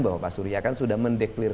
bahwa pak surya kan sudah mendeklir